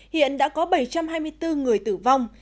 hiện đã có bảy trăm hai mươi bốn người tử vong